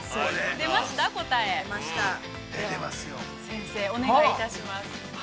◆先生、お願いいたします。